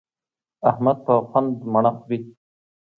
احمد په خوند مڼه خوري.